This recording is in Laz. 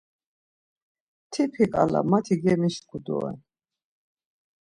Tipi ǩala mati gemişku doren.